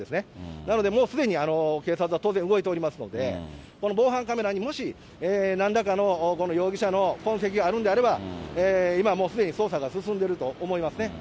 なので、もうすでに警察は当然動いておりますので、この防犯カメラにもし、なんらかのこの容疑者の痕跡があるんであれば、今もうすでに捜査が進んでいると思いますね。